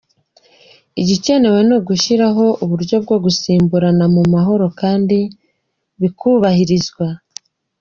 Igikenewe ni ugushyiraho uburyo bwo gusimburana mu mahoro kandi bikubahirizwa.